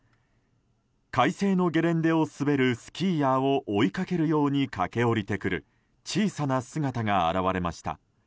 快晴のゲレンデを滑るスキーヤーを追いかけるように駆け下りてくる小さな姿が現れました。